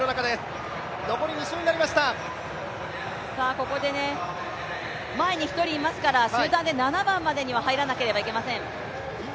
ここで前に１人いますから集団で７番までには入らなければいけません。